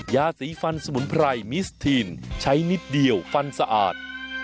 ยาสีฟันสมุนไพรมิสทีนใช้นิดเดียวฟันสะอาด